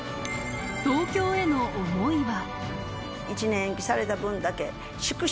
東京への思いは。